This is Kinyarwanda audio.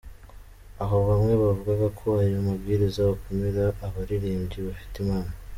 Aho bamwe bavugaga ko ayo mabwiriza akumira abaririmbyi bafite impano.